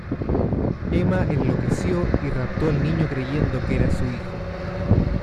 Emma enloqueció y raptó al niño creyendo que era su hijo.